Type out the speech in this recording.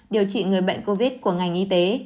điều trị người bệnh covid của ngành y tế